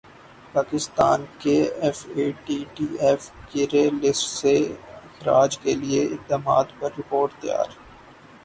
پاکستان کے F A T F grey list سے اخراج کیلئے اقدامات پر رپورٹ تیار